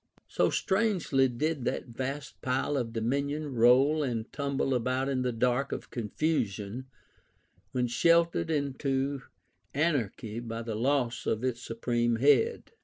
So strangely did that vast pile of dominion roll and tumble about in the dark of confusion, when shattered into anarchy by the loss of its supreme head.